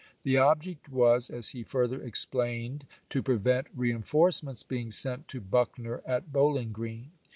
The object was, as he further explained, to prevent reeuforcements being sent to Buckner at Bowling Green.